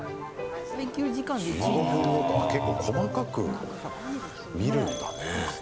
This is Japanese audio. １５分ごとああ、結構細かく見るんだね。